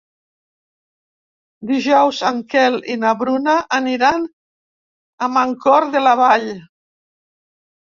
Dijous en Quel i na Bruna aniran a Mancor de la Vall.